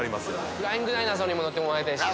フライング・ダイナソーにも乗ってもらいたいし。